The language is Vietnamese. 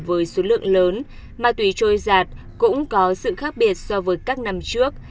với số lượng lớn ma túy trôi giạt cũng có sự khác biệt so với các năm trước